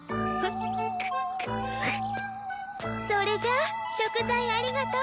それじゃあ食材ありがとう。